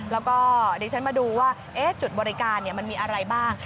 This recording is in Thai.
แล้วก็เดี๋ยวฉันมาดูว่าจุดบริการมันมีอะไรบ้าง